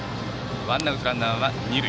ワンアウト、ランナーは二塁。